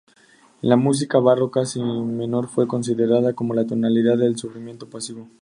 En la música barroca, Si menor fue considerada como la tonalidad del sufrimiento pasivo.